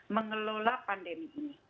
mengelola pandemi ini